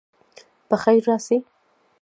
په خیر راسئ.